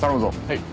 はい。